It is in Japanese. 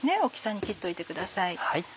大きさに切っといてください。